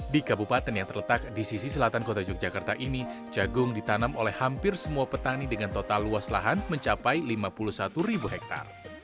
di kabupaten yang terletak di sisi selatan kota yogyakarta ini jagung ditanam oleh hampir semua petani dengan total luas lahan mencapai lima puluh satu ribu hektare